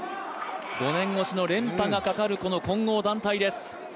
５年越しの連覇がかかるこの混合団体です。